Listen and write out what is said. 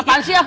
apaan sih ah